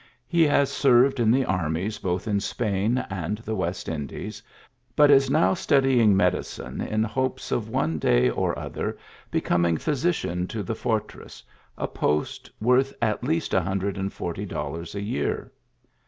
He has served in the armies both in Spain and the West Indies, but is now study ing medicine in hopes of one day or other becoming physician to the fortress, a post worth at least a hun dred and forty dollars a year.